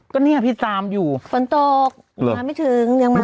ก็เนี่ยพี่ตามอยู่ฝนตกมาไม่ถึงยังมา